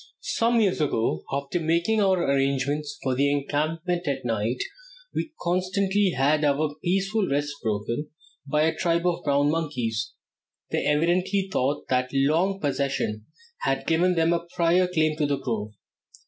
Some years ago, after making our arrangements for our encampment at night, we constantly had our peaceful rest broken by a tribe of brown monkeys. They evidently thought that long possession had given them a prior claim to the grove.